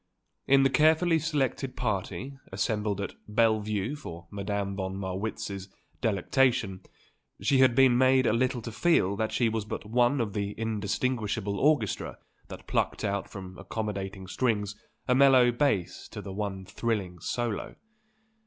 In the carefully selected party assembled at Belle Vue for Madame von Marwitz's delectation, she had been made a little to feel that she was but one of the indistinguishable orchestra that plucked out from accommodating strings a mellow bass to the one thrilling solo.